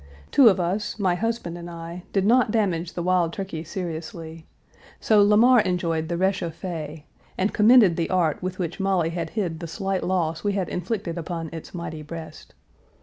Two of us, my husband and I, did not damage the wild turkey seriously. So Lamar enjoyed the réchauffé, and commended the art with which Molly had hid the slight loss we had inflicted upon its mighty breast.